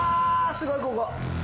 すごいここ！